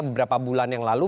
beberapa bulan yang lalu